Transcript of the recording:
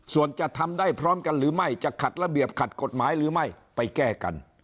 ส่วนจะทำได้พร้อมกันหรือไม่จะขัดระเบียบขัดกฎหมายหรือไม่ไปแก้กัน